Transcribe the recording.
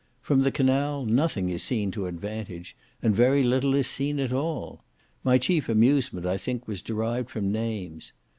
From the canal nothing is seen to advantage, and very little is seen at all. My chief amusement, I think, was derived from names.